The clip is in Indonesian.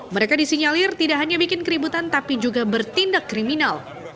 mereka disinyalir tidak hanya bikin keributan tapi juga bertindak kriminal